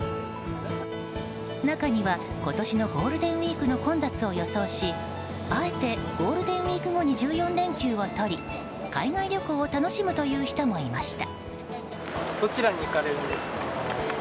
中には今年のゴールデンウィークの混雑を予想しあえてゴールデンウィーク後に１４連休を取り海外旅行を楽しむという人もいました。